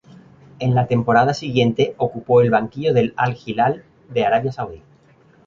En la temporada siguiente, ocupó el banquillo del Al-Hilal de Arabia Saudí.